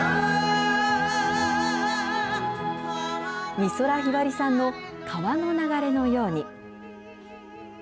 美空ひばりさんの川の流れのように。